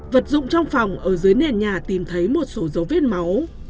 vật dụng trong phòng ở dưới nền nhà tìm thấy một số dấu vết máu